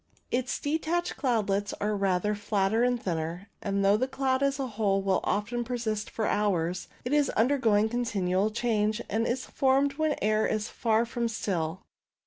Its detached cloudlets are rather flatter and thinner, and though the cloud as a whole will often persist for hours, it is undergoing con tinual change, and is formed when the air is far from still.